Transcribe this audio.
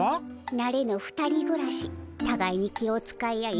なれぬ２人ぐらしたがいに気を遣い合い